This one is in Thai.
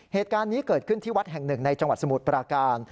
เหตุการณ์นี้เกิดขึ้นที่วัดแห่งหนึ่งในจังหวัดสมุทรปราการ